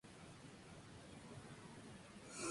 Permaneció en prisión cuatro años.